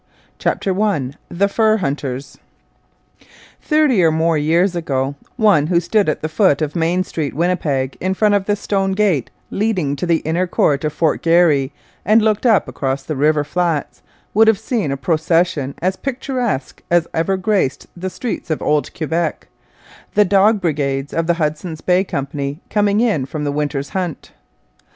CHAPTER I THE FUR HUNTERS Thirty or more years ago, one who stood at the foot of Main Street, Winnipeg, in front of the stone gate leading to the inner court of Fort Garry, and looked up across the river flats, would have seen a procession as picturesque as ever graced the streets of old Quebec the dog brigades of the Hudson's Bay Company coming in from the winter's hunt.